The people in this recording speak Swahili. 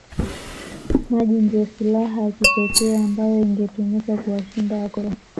Maji ndiyo silaha ya kipekee ambayo ingetumika kuwashinda wakoloni